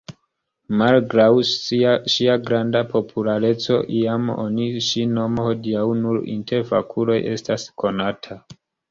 Malgraŭ ŝia granda populareco iama oni ŝi nomo hodiaŭ nur inter fakuloj estas konata.